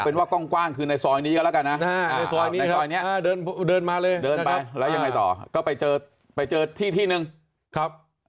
แสวงขวาคือในซอยนี้ก็แล้วกันนะ